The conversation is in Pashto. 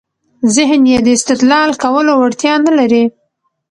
ذهن يې د استدلال کولو وړتیا نلري.